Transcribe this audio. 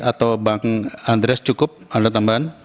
atau bang andreas cukup ada tambahan